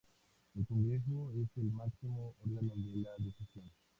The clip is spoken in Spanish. El Congreso es el máximo órgano de decisión.